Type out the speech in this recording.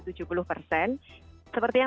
seperti yang saya katakan